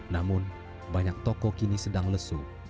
namun banyak toko kini sedang lesu